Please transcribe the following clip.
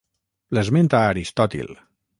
L'esmenta Aristòtil.